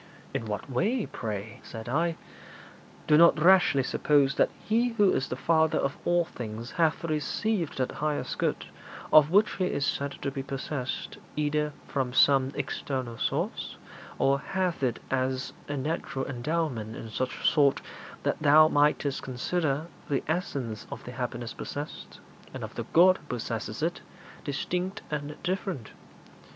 'In what way, pray?' said I. 'Do not rashly suppose that He who is the Father of all things hath received that highest good of which He is said to be possessed either from some external source, or hath it as a natural endowment in such sort that thou mightest consider the essence of the happiness possessed, and of the God who possesses it, distinct and different.